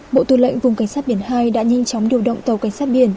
bộ tư lệnh vùng cảnh sát biển hai đã nhanh chóng điều động tàu cảnh sát biển